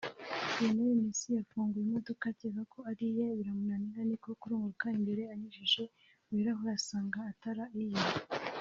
Lionel Messi yafunguye imodoka akeka ko ariye biramunanira niko kurunguruka imbere anyujije mu birahure asanga atara iye